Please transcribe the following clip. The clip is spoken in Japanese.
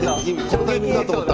このタイミングだと思った。